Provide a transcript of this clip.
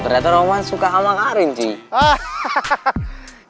ternyata roman suka sama karin sih